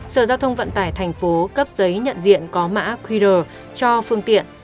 sở giao thông vận tải tp cấp giấy nhận diện có mã qr cho phương tiện